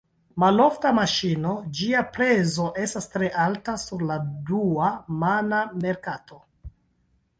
Malofta maŝino, ĝia prezo estas tre alta sur la dua-mana merkato.